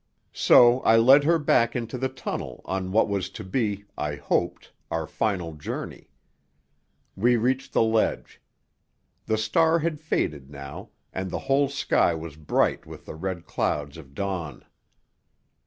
So I led her back into the tunnel on what was to be, I hoped, our final journey. We reached the ledge. The star had faded now, and the whole sky was bright with the red clouds of dawn.